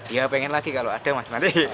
ya pengen lagi kalau ada mas mati